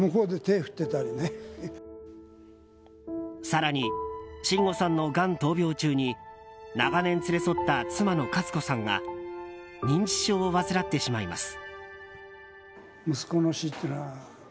更に、真吾さんのがん闘病中に長年連れ添った妻の加津子さんが認知症を患ってしまいます。